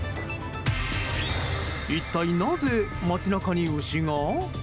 一体なぜ、街中に牛が？